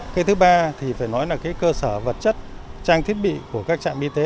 cái thứ ba thì phải nói là cái cơ sở vật chất trang thiết bị của các trạm y tế